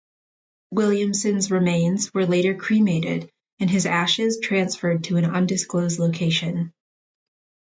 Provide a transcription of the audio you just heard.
Williamson's remains were later cremated and his ashes transferred to an undisclosed location.